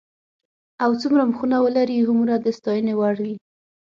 او څومره مخونه ولري هومره د ستاینې وړ وي.